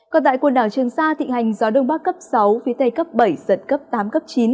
còn tại quần đảo trường sa thịnh hành gió đông bắc cấp sáu phía tây cấp bảy giật cấp tám cấp chín